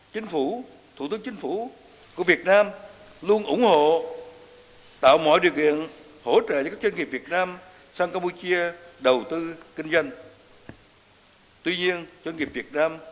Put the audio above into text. chính phủ thủ tướng chính phủ của việt nam luôn ủng hộ tạo mọi điều kiện hỗ trợ cho các doanh nghiệp việt nam